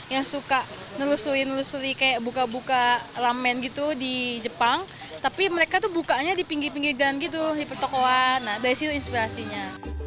yang suka nelusuri nelusuri kayak buka buka ramen gitu di jepang tapi mereka tuh bukanya di pinggir pinggir jalan gitu di pertokohan nah dari situ inspirasinya